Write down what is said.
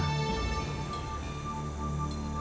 pergi ke kota saya